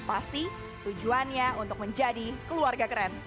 pasti tujuannya untuk menjadi keluarga keren